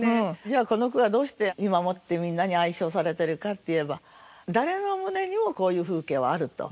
じゃあこの句がどうして今もってみんなに愛唱されてるかっていえば誰の胸にもこういう風景はあると。